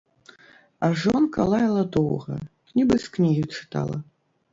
А жонка лаяла доўга, нібы з кнігі чытала.